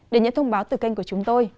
để nhận thông báo từ kênh của chúng tôi